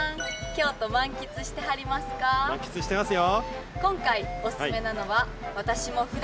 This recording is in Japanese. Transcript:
満喫してますよ。